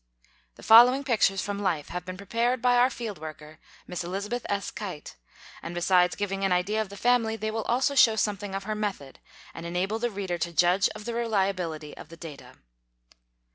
The following pictures from life have been prepared by our field worker, Miss Elizabeth S. Kite, and besides giving an idea of the family, they will also show some thing of her method, and enable the reader to judge of the reliability of the data.